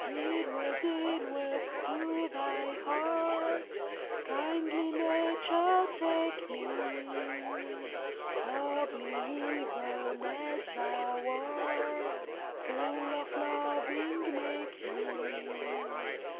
Inward, inward to thy heart, Kindly Nature, take me, Lovely even as thou art, Full of loving make me!